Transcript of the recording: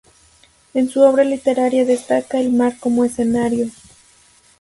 En su obra literaria destaca el mar como escenario.